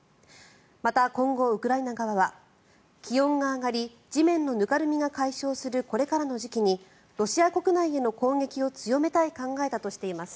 また、今後、ウクライナ側は気温が上がり地面のぬかるみが解消するこれからの時期にロシア国内への攻撃を強めたい考えだとしています。